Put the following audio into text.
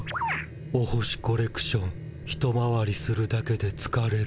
お星コレクション一回りするだけでつかれる。